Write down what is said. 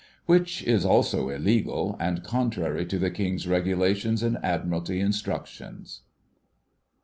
Which is also illegal, and contrary to the King's Regulations and Admiralty Instructions.